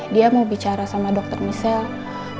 dia mau bicara sama dokter michelle